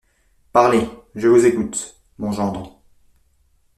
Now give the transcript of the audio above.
Parlez… je vous écoute… mon gendre…